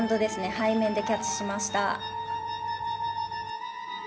背面でキャッチしました。